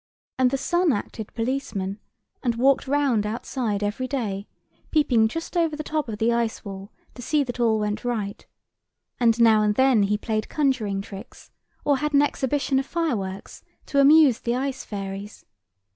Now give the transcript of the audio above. And the sun acted policeman, and walked round outside every day, peeping just over the top of the ice wall, to see that all went right; and now and then he played conjuring tricks, or had an exhibition of fireworks, to amuse the ice fairies.